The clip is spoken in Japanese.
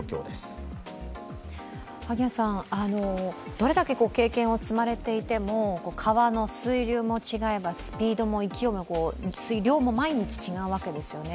どれだけ経験を積まれていても川の水流も違えばスピードも勢いも、水量も毎日違うわけですよね。